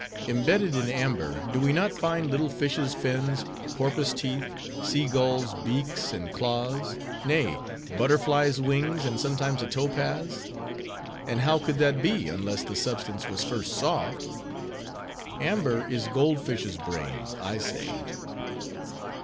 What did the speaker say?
Imbedded in amber, do we not find little fishes' fins, porpoise teeth, sea gulls' beaks and claws; nay, butterflies' wings, and sometimes a topaz? And how could that be, unless the substance was first soft? Amber is gold fishes' brains, I say."